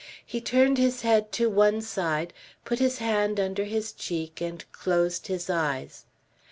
He turned his head to one side, put his hand under his cheek and closed his eyes.